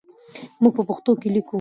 موږ په پښتو لیکو.